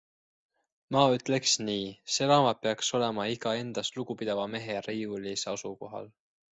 Ma ütleks nii - see raamat peaks olema iga endast lugupidava mehe riiulis aukohal.